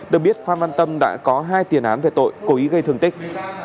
được biết phan văn tâm đã có hai tiền án về tội cố ý gây thương tích